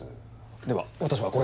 では私はこれで。